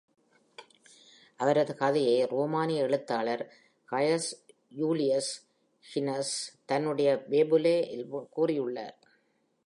அவரது கதையை ரோமானிய எழுத்தாளர் கயஸ் ஜூலியஸ் ஹிகினஸ், தன்னுடைய "ஃபேபுலே" இல் கூறியுள்ளார்.